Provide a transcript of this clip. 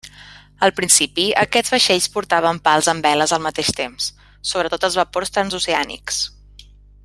Al principi aquests vaixells portaven pals amb veles al mateix temps, sobretot els vapors transoceànics.